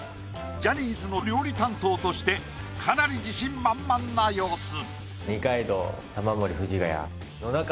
ジャニーズの料理担当としてかなり自信満々な様子。